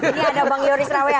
ini ada bang yoris rawen